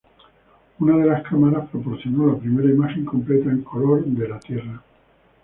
Una de las cámaras proporcionó la primera imagen completa en color de la Tierra.